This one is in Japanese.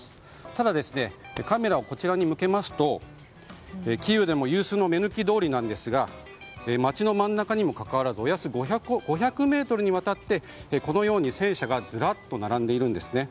ただ、カメラをこちらに向けますとキーウでも有数の目抜き通りですが街の真ん中にもかかわらずおよそ５００ｍにわたって戦車がずらっと並んでいます。